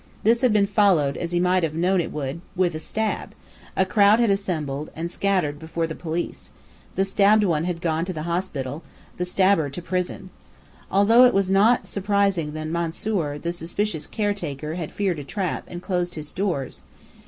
This had been followed, as he might have known it would, with a stab; a crowd had assembled, and scattered before the police; the stabbed one had gone to hospital, the stabber to prison. Altogether it was not surprising that Mansoor, the suspicious caretaker, had feared a trap, and closed his doors.